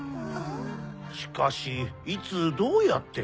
しかしいつどうやって？